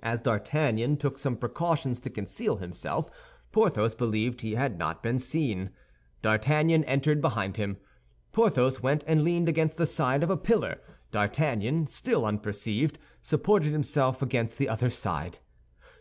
As D'Artagnan took some precautions to conceal himself, Porthos believed he had not been seen. D'Artagnan entered behind him. Porthos went and leaned against the side of a pillar. D'Artagnan, still unperceived, supported himself against the other side.